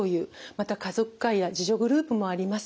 また家族会や自助グループもあります。